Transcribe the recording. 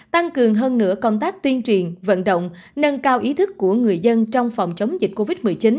tăng cường hơn nữa công tác tuyên truyền vận động nâng cao ý thức của người dân trong phòng chống dịch covid một mươi chín